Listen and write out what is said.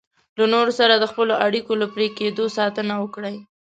له نورو سره د خپلو اړیکو له پرې کېدو ساتنه وکړئ.